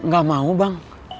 gak mau bang